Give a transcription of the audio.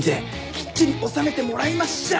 きっちり納めてもらいましょう！